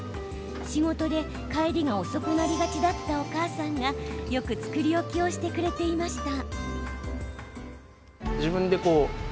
仕事で帰りが遅くなりがちだったお母さんがよく作り置きをしてくれていました。